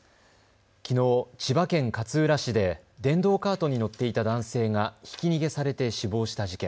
きのう千葉県勝浦市で電動カートに乗っていた男性がひき逃げされて死亡した事件。